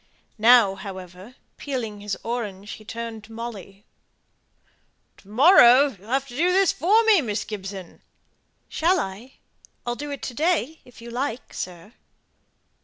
Now, however, peeling his orange, he turned to Molly "To morrow you'll have to do this for me, Miss Gibson." "Shall I? I'll do it to day, if you like, sir."